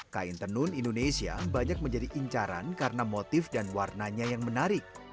kain tenun indonesia banyak menjadi incaran karena motif dan warnanya yang menarik